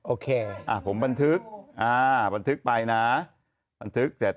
โอเคผมบันทึกบันทึกไปนะบันทึกเสร็จ